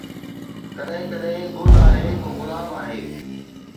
ڪڏھن ڪڏھن گل آھي، ڪو گلاب آھي